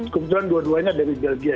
kebetulan dua duanya dari belgia